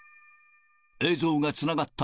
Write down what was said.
映像がつながった。